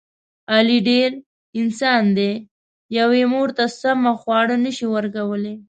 علي ډېر..... انسان دی. یوې مور ته سمه خواړه نشي ورکولی.